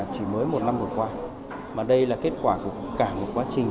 chỉ mới một năm vừa qua mà đây là kết quả của cả một quá trình